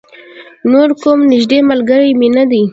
نور کوم نږدې ملگری مې نه دی.